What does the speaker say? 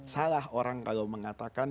salah orang kalau mengatakan